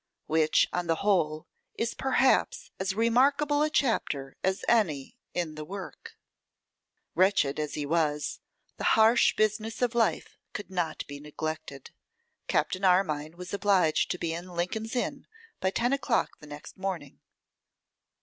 Which, on the Whole, Is Perhaps as Remarkable a Chapter as Any in the Work. WRETCHED as he was, the harsh business of life could not be neglected; Captain Armine was obliged to be in Lincoln's Inn by ten o'clock the next morning.